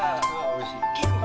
おいしい。